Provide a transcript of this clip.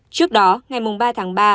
trước đó ngày ba tháng ba